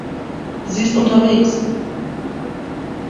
Sie ist unterwegs.